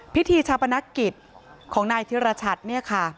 พิธีชาปนกิจของนายธิรชัตน์เนี่ยค่ะ